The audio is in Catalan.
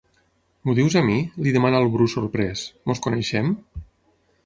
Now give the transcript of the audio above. M'ho dius a mi? —li demana el Bru, sorprès— Ens coneixem?